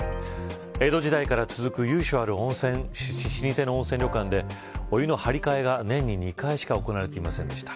江戸時代から続く由緒ある温泉老舗の温泉旅館でお湯の張り替えが年に２回しか行われていませんでした。